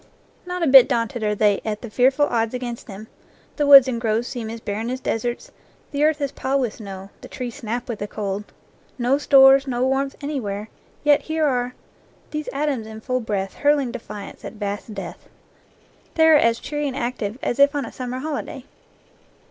Not a bit daunted are they at the fearful odds against them; the woods and groves seem as barren as deserts, the earth is piled with snow, the trees snap with the cold no stores, no warmth anywhere, yet here are "these atoms in full breath Hurling defiance at vast death." They are as cheery and active as if on a summer holiday.